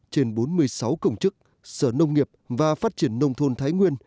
trên bốn mươi sáu công chức sở nông nghiệp và phát triển nông thôn thái nguyên